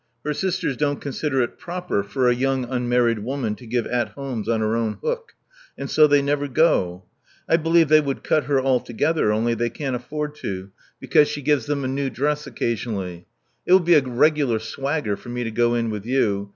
Her sisters don't consider it proper for a young unmarried woman to give at homes on her own hook ; and so they never go. I believe they would cut her altogether, only they can't aflEord to, because she gives 41 8 Love Among the Artists them a new dress occasionally. It will be a regular swagger for me to go in with you.